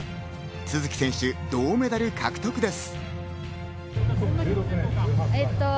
都筑選手、銅メダル獲得です。